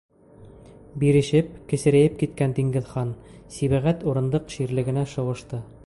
- Бирешеп, кесерәйеп киткән Диңгеҙхан-Сибәғәт урындыҡ ширлегенә шыуышты.